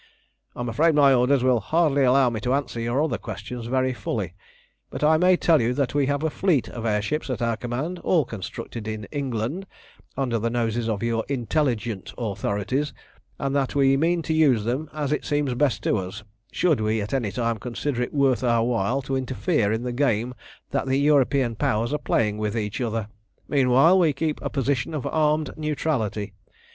"I'm afraid my orders will hardly allow me to answer your other questions very fully, but I may tell you that we have a fleet of air ships at our command, all constructed in England under the noses of your intelligent authorities, and that we mean to use them as it seems best to us, should we at any time consider it worth our while to interfere in the game that the European Powers are playing with each other. Meanwhile we keep a position of armed neutrality.